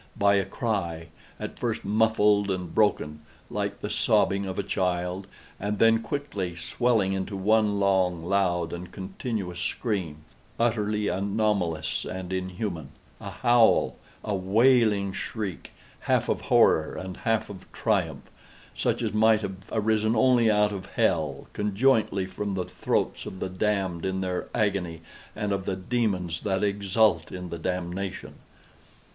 —by a cry, at first muffled and broken, like the sobbing of a child, and then quickly swelling into one long, loud, and continuous scream, utterly anomalous and inhuman—a howl—a wailing shriek, half of horror and half of triumph, such as might have arisen only out of hell, conjointly from the throats of the damned in their agony and of the demons that exult in the damnation.